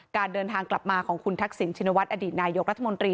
การเดินทางกลับมาของคุณทักษิณชินวัฒนอดีตนายกรัฐมนตรี